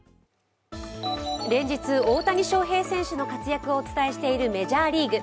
連日、大谷翔平選手の活躍をお伝えしているメジャーリーグ。